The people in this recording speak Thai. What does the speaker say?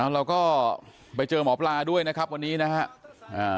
เราก็ไปเจอหมอปลาด้วยนะครับวันนี้นะครับ